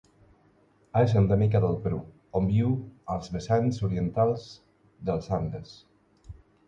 És endèmica del Perú, on viu als vessants orientals dels Andes.